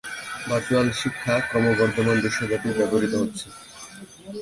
Virtual শিক্ষা ক্রমবর্ধমান বিশ্বব্যাপী ব্যবহৃত হচ্ছে।